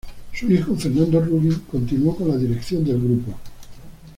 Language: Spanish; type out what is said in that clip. Su hijo Fernando Rubin continuó con la dirección del grupo.